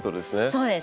そうです。